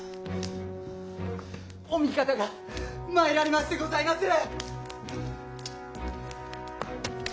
お味方が参られましてございまする！